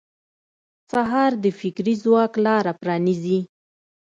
سهار د فکري ځواک لاره پرانیزي.